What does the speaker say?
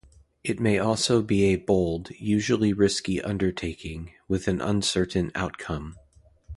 It may also be a bold, usually risky undertaking, with an uncertain outcome.